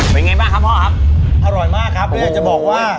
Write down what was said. เป็นไงบ้างครับพ่อครับอร่อยมากครับแล้วอยากจะบอกว่า